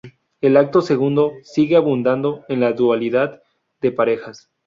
El acto segundo sigue abundando en la dualidad de parejas.